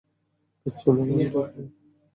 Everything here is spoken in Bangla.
কিচ্ছু না, বান্টি ভাই।